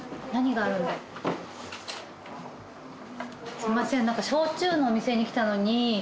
「すいません」